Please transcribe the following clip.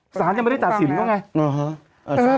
สารยังไม่ได้ตัดสินเขาไง